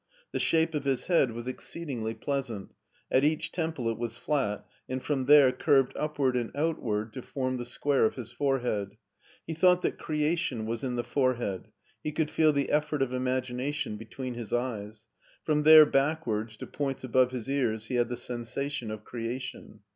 The shape of his head was exceedingly pleasant; at each temple it was flat, and from there curved upward and outward to form the square of his forehead. He thought that creation was in the forehead; he could feel the effort of imagination be tween his eyes ; from there backwards to points above his ears he had the sensation of creation.